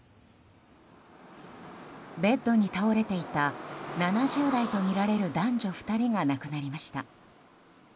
ベッドに倒れていた７０代とみられる男女２人が亡くなりました。